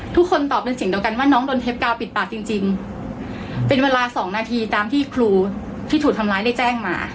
ทุกคนตอบเป็นเสียงเดียวกันว่าน้องโดนเทปกาวปิดปากจริงจริงเป็นเวลาสองนาทีตามที่ครูที่ถูกทำร้ายได้แจ้งมา